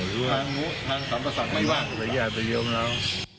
อย่าไปเลี่ยงเรา